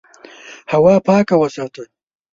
هوا پاکه وساته.